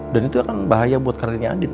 dan itu akan bahaya buat karirnya anin